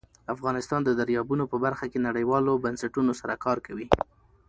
افغانستان د دریابونه په برخه کې نړیوالو بنسټونو سره کار کوي.